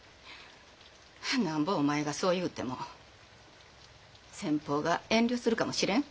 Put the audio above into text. なんぼお前がそう言うても先方が遠慮するかもしれん。